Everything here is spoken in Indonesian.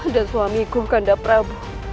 dan suamiku kandap prabu